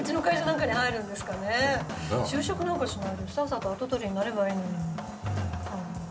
就職なんかしないでさっさと跡取りになればいいのに。